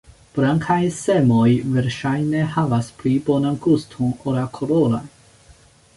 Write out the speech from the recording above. Blankaj semoj verŝajne havas pli bonan guston ol la koloraj.